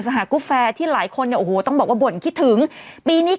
หากุแฟที่หลายคนเนี่ยโอ้โหต้องบอกว่าบ่นคิดถึงปีนี้